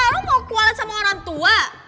lo mau kualat sama orang tua